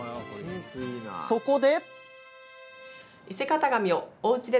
そこで。